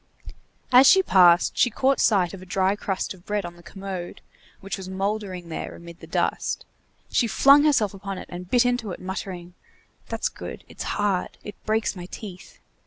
As she passed, she caught sight of a dry crust of bread on the commode, which was moulding there amid the dust; she flung herself upon it and bit into it, muttering:— "That's good! it's hard! it breaks my teeth!"